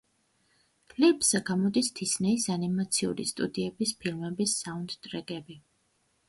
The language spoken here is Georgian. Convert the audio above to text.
ლეიბლზე გამოდის დისნეის ანიმაციური სტუდიების ფილმების საუნდტრეკები.